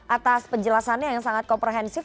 atas penjelasannya yang sangat komprehensif